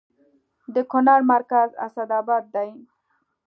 د کونړ مرکز اسداباد دی